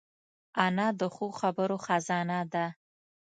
انا د ښو خبرو خزانه ده